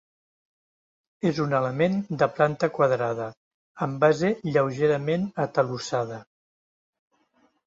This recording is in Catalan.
És un element de planta quadrada, amb base lleugerament atalussada.